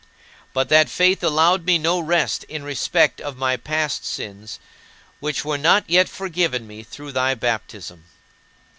But that faith allowed me no rest in respect of my past sins, which were not yet forgiven me through thy baptism.